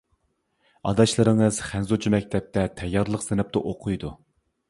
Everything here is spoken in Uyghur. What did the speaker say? ئاداشلىرىڭىز خەنزۇچە مەكتەپتە تەييارلىق سىنىپتا ئوقۇيدۇ.